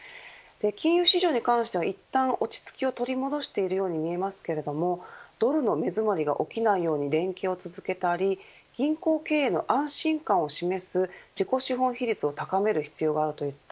金融市場に関しては一端落ち着きを取り戻しているように見えますけれどもドルの根詰まりが起きないように連携を続けたり銀行経営の安心感を示す自己資本比率を高める必要があるといった